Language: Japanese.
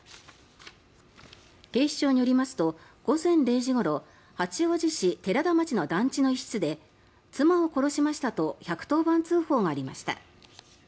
警視庁によりますと午前０時ごろ八王子市寺田町の団地の一室で妻を殺しましたと１１０番通報がありました。